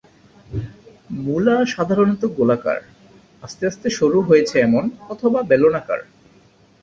মূলা সাধারণত গোলাকার, আস্তে আস্তে সরু হয়েছে এমন অথবা বেলনআকার।